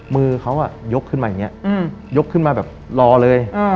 มือเขายกขึ้นมาอย่างนี้ยกขึ้นมาแบบรอเลย